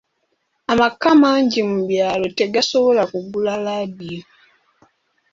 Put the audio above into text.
Amaka mangi mu byalo tegasobola kugula laadiyo.